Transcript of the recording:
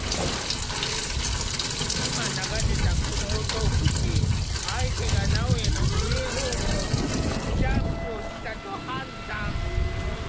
今流れたこの音を聞き相手がなおやの上方向にジャンプをしたと判断。